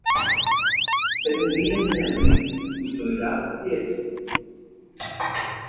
Bet neviens neatzīstas, kurš to ir atstiepis.